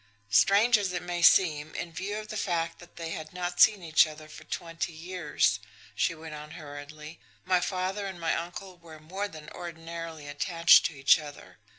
"Strange as it may seem, in view of the fact that they had not seen each other for twenty years," she went on hurriedly "my father and my uncle were more than ordinarily attached to each other.